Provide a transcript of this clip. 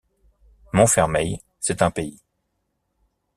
Montfermeil, c’est un pays.